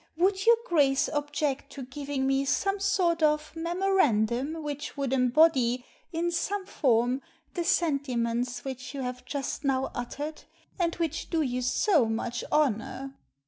Would your Grace object to giving me some sort of memorandum which would embody, in some form, the sentiments which you have just now uttered, and which do you so much honour?"